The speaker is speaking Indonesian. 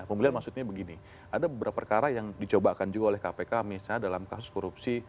pembelian maksudnya begini ada beberapa perkara yang dicobakan juga oleh kpk misalnya dalam kasus korupsi